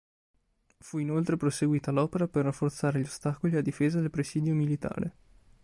Fu inoltre proseguita l'opera per rafforzare gli ostacoli a difesa del presidio militare.